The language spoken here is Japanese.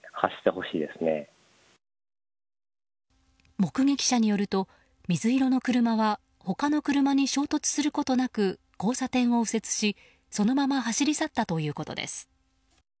目撃者によると水色の車は他の車に衝突することなく交差点を右折し、そのまま走り去ったということです。